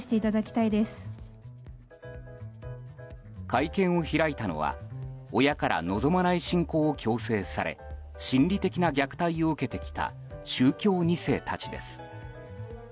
会見を開いたのは親から望まない信仰を強制され心理的な虐待を受けてきた宗教２世たちです。